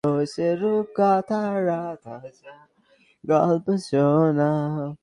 বরং তিনি সাবেক সেনা কর্মকর্তাদের সঙ্গে সমঝোতার ভিত্তিতে সিদ্ধান্ত নিতে চান।